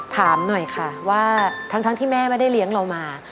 ถามหน่อยค่ะว่าทั้งที่แม่ไม่ได้เลี้ยงเรามา